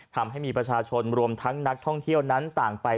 ทำให้มีประชาชนรวมทั้งนักท่องเที่ยวนั้นต่างไป